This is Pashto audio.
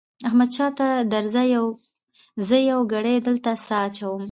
احمده ته درځه؛ زه يوه ګړۍ دلته سا اچوم.